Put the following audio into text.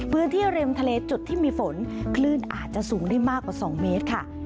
พื้นที่ริมทะเลจุดที่มีฝนคลื่นอาจจะสูงได้มากกว่า๒เมตรค่ะ